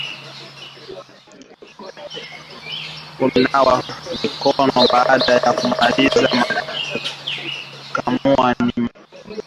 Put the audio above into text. Kunawa mikono baada ya kumaliza kukamua ni njia nyingine ya kujikinga na kiwele